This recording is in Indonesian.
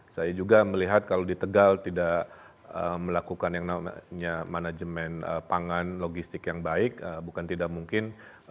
saya juga melihat kalau di tegal tidak melakukan yang namanya manajemen pangan logistik yang baik bukan tidak mungkin